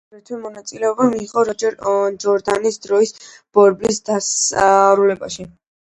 მან აგრეთვე მონაწილეობა მიიღო რობერტ ჯორდანის „დროის ბორბლის“ დასრულებაში.